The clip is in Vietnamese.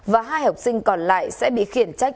và hai học sinh còn lại sẽ bị khiển trách